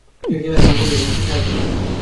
তিনি ছিলেন একজন কবি এবং সাহিত্য প্রেমিক।